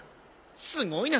すごいな。